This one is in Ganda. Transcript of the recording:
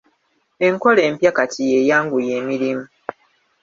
Enkola empya kati y'eyanguya emirimu.